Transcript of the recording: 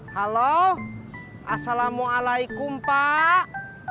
halo assalamualaikum pak